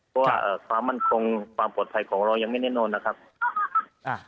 เพราะว่าความมั่นคงความปลอดภัยของเรายังไม่แน่นอนนะครับอ่า